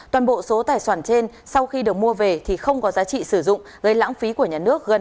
toàn bộ số tài soản trên sau khi được mua về thì không có giá trị sử dụng gây lãng phí của nhà nước